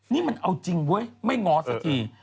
นี่มันเอาจริงเว้ยไม่ง้อสักที